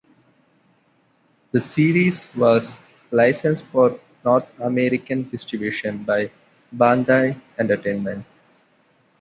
The series was licensed for North American distribution by Bandai Entertainment.